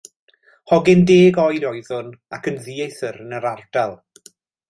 Hogyn deg oed oeddwn, ac yn ddieithr yn yr ardal.